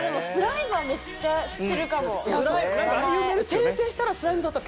「転生したらスライムだった件」